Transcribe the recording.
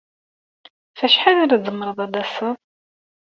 Ɣef wacḥal ara tzemreḍ ad d-taseḍ?